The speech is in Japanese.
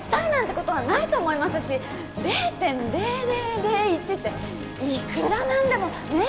ことはないと思いますし０．０００１っていくら何でもねえ？